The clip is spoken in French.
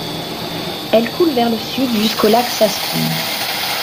Elle coule vers le Sud jusqu'au lac Saskum.